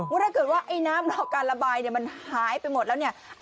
ว่าถ้าเกิดว่าไอน้ำรอการระบายมันหายไปหมดแล้ว